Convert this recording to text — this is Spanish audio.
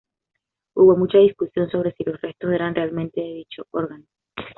Hubo mucha discusión sobre si los restos eran realmente de dicho órgano.